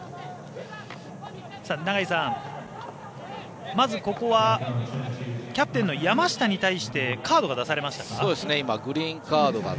永井さん、まずここはキャプテンの山下に対してカードが出されましたか。